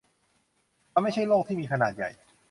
มันไม่ใช่โลกที่มีขนาดใหญ่.